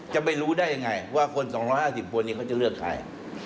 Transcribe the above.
จะไปรู้ได้อย่างไรว่าคนสองห้าตี่ปุ่นนี้เขาจะเลือกใคร